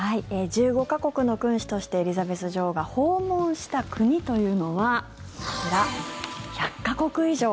１５か国の君主としてエリザベス女王が訪問した国というのはこちら、１００か国以上。